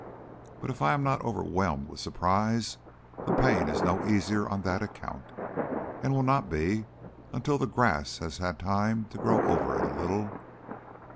But if I am not overwhelmed with surprise, the pain is no easier on that account, and will not be until the grass has had time to grow over it a little.